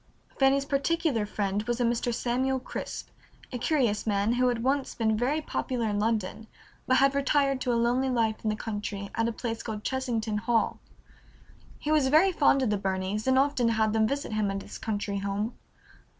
Fanny's particular friend was a Mr. Samuel Crisp, a curious man who had once been very popular in London, but had retired to a lonely life in the country at a place called Chesington Hall. He was very fond of the Burneys and often had them visit him at his country home.